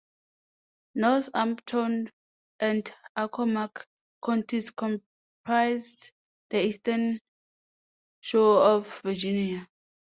Northampton and Accomack Counties comprise the Eastern Shore of Virginia.